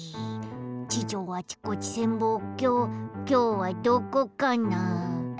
地上あちこち潜望鏡きょうはどこかな？